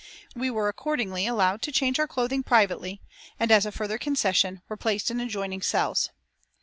We were accordingly allowed to change our clothing privately, and, as a further concession, were placed in adjoining cells.